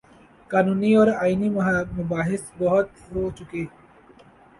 قانونی اور آئینی مباحث بہت ہو چکے۔